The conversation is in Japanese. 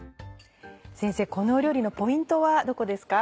先生この料理のポイントはどこですか？